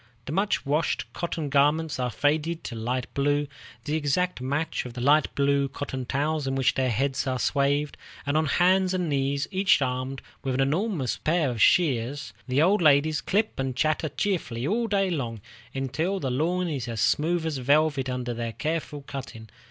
The much washed cotton garments are faded to a light blue, the exact match of the light blue cotton towels in which their heads are swathed, and on hands and knees, each armed with an enormous pair of shears, the old ladies clip and chatter cheerfully all day long, until the lawn is as smooth as velvet under their careful cutting.